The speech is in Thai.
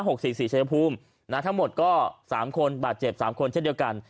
สี่ชายภูมินะทั้งหมดก็สามคนบาดเจ็บสามคนเช่นเดียวกัน